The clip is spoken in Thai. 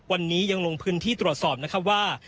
วันนี้ยังลงพื้นที่ตรวจสอบนะครับว่า